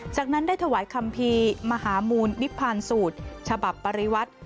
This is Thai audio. จากนั้นได้ถวายคัมภีร์มหามูลนิพพานสูตรฉบับปริวัติ